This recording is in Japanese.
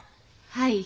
はい。